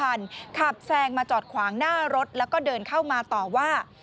ขับแซงมาจอดขวางหน้ารถแล้วก็เดินเข้ามาต่อว่า